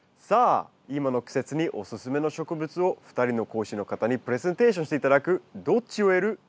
さあ今の季節にオススメの植物を２人の講師の方にプレゼンテーションして頂く「どっち植える？」